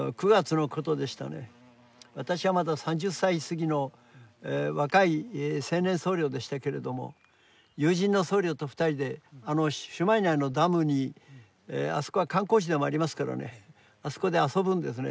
私はまだ３０歳過ぎの若い青年僧侶でしたけれども友人の僧侶と２人であの朱鞠内のダムにあそこは観光地でもありますからねあそこで遊ぶんですね。